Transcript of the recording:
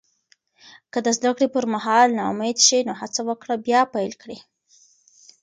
که د زده کړې پر مهال ناامید شې، نو هڅه وکړه بیا پیل کړې.